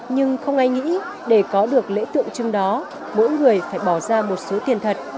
nhưng không ai nghĩ để có được lễ tượng trưng đó mỗi người phải bỏ ra một số tiền thật